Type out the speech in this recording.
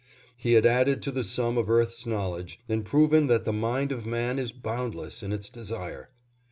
He had added to the sum of Earth's knowledge, and proven that the mind of man is boundless in its desire.